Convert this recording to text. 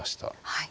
はい。